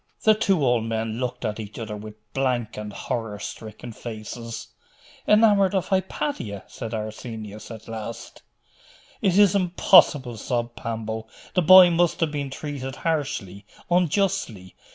The two old men looked at each other with blank and horror stricken faces. 'Enamoured of Hypatia?' said Arsenius at last. 'It is impossible!' sobbed Pambo. 'The boy must have been treated harshly, unjustly?